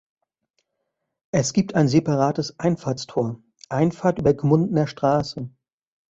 Es gibt ein separates Einfahrtstor (Einfahrt über Gmundner Straße).